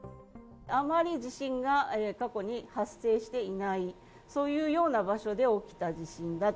あまり地震が過去に発生していない、そういうような場所で起きた地震だと。